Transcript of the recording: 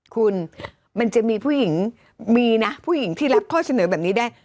คุณมันจะมีผู้หญิงมีนะผู้หญิงที่รับข้อเสนอแบบนี้ได้